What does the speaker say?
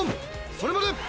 それまで！